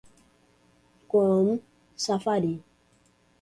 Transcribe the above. Chrome, Safari